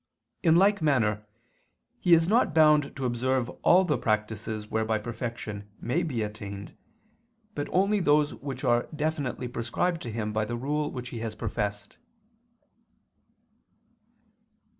In like manner he is not bound to observe all the practices whereby perfection may be attained, but only those which are definitely prescribed to him by the rule which he has professed.